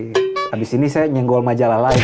habis ini saya nyenggol majalah lagi